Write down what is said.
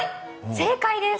正解です。